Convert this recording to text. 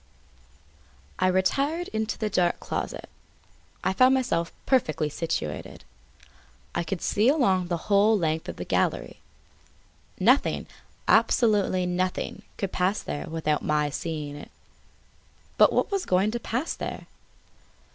I retired into the dark closet. I found myself perfectly situated. I could see along the whole length of the gallery. Nothing, absolutely nothing could pass there without my seeing it. But what was going to pass there?